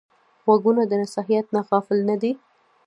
غوږونه د نصیحت نه غافل نه دي